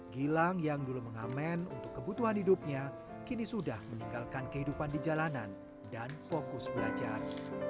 gilang yang dulu mengamen untuk kebutuhan hidupnya kini sudah meninggalkan kehidupan di jalanan dan fokus belajar